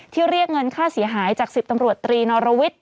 เรียกเงินค่าเสียหายจาก๑๐ตำรวจตรีนรวิทย์